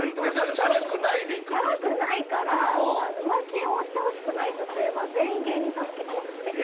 チャラくないから浮気をしてほしくない女性は全員芸人さんと結婚すべき。